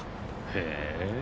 へえ。